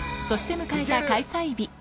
そして迎えた開催日。